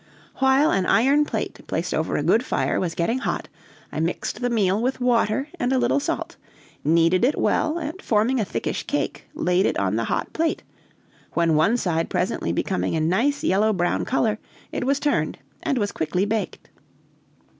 While an iron plate, placed over a good fire, was getting hot, I mixed the meal with water and a little salt, kneaded it well, and forming a thickish cake, laid it on the hot plate, when one side presently becoming a nice yellow brown color, it was turned and was quickly baked.